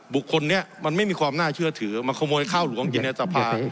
บุคคลนี้มันไม่มีความน่าเชื่อถือมาขโมยข้าวหลวงกินในสภา